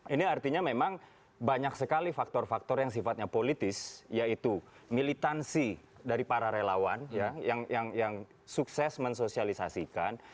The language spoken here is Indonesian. ini artinya memang banyak sekali faktor faktor yang sifatnya politis yaitu militansi dari para relawan yang sukses mensosialisasikan